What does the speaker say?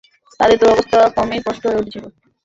তাদের দুরবস্থা ক্রমেই স্পষ্ট হয়ে উঠছিল।